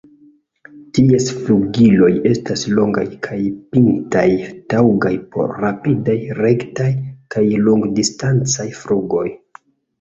Ties flugiloj estas longaj kaj pintaj, taŭgaj por rapidaj, rektaj kaj longdistancaj flugoj.